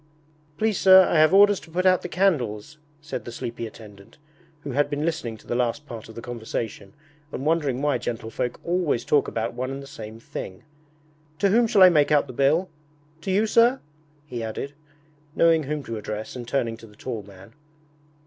'Please sir, I have orders to put out the candles,' said the sleepy attendant, who had been listening to the last part of the conversation and wondering why gentlefolk always talk about one and the same thing. 'To whom shall I make out the bill? To you, sir?' he added, knowing whom to address and turning to the tall man.